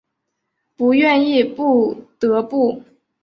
不愿意不得不